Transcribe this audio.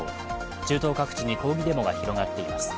中東各地に抗議デモが広がっています。